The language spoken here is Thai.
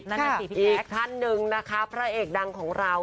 อีกท่านหนึ่งนะคะพระเอกดังของเรา